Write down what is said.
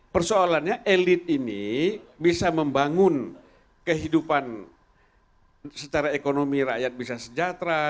persoalannya elit ini bisa membangun kehidupan secara ekonomi rakyat bisa sejahtera